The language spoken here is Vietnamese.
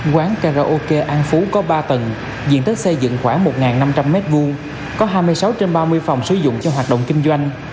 quán karaoke an phú có ba tầng diện tích xây dựng khoảng một năm trăm linh m hai có hai mươi sáu trên ba mươi phòng sử dụng cho hoạt động kinh doanh